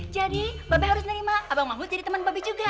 jadi babe harus nerima abang mahmud jadi temen babe juga